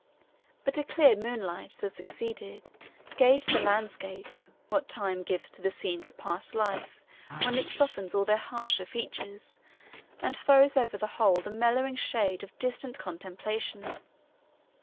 But a clear moonlight, that succeeded, gave to the landscape, what time gives to the scenes of past life, when it softens all their harsher features, and throws over the whole the mellowing shade of distant contemplation.